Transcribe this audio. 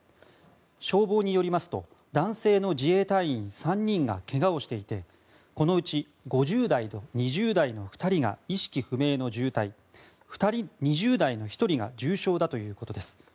消防によりますと男性の自衛隊員３人がけがをしていてこのうち５０代と２０代の２人が意識不明の重体２０代の１人が重傷だということです。